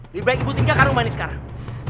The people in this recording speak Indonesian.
lebih baik ibu tinggalkan umpani sekarang